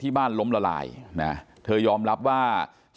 ทีนี้ก็ต้องถามคนกลางหน่อยกันแล้วกัน